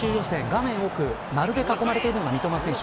画面奥、丸で囲まれてるのが三笘選手。